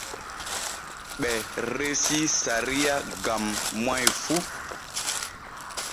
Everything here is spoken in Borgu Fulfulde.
Ɓe resii sariya gam moy fu.